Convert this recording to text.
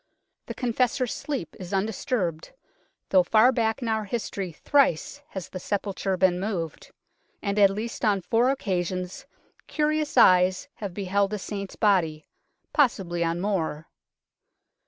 The Confessor's sleep is un disturbed, though far back in our history thrice has the sepulture been moved, and at least on four occasions curious eyes have beheld the Saint's body possibly on more.